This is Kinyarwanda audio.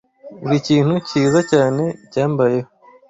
Urikintu cyiza cyane cyambayeho.